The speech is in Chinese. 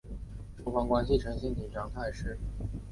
双方关系呈现紧张态势。